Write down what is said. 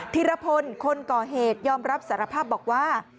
ธิรพลคนก่อเหตุยอมรับสารภาพบอกว่า